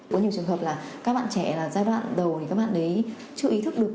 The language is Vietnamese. có nhiều trường hợp là các bạn trẻ là giai đoạn đầu thì các bạn đấy chưa ý thức được